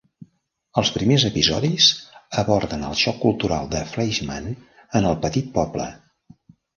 Els primers episodis aborden el xoc cultural de Fleischman en el petit poble.